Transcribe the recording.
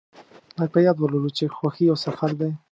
باید په یاد ولرو چې خوښي یو سفر دی.